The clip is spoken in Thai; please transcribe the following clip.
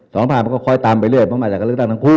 สองภาพมันก็ค่อยตามไปเรื่อยเพราะมาจากการเลือกตั้งทั้งคู่